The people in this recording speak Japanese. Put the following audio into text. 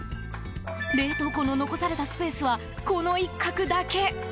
冷凍庫の残されたスペースはこの一角だけ。